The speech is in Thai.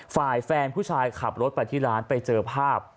ฝ่ายแฟนผู้ชายขับรถไปที่ร้านไปเจอภาพ